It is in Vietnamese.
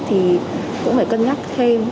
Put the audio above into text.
thì cũng phải cân nhắc thêm